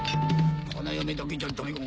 花嫁だけじゃダメか？